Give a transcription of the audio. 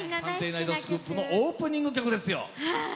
ナイトスクープ」のオープニング曲ですよ。